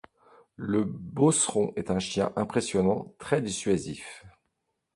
Le beauceron est un chien impressionnant, très dissuasif.